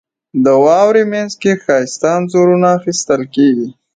• د واورې مینځ کې ښایسته انځورونه اخیستل کېږي.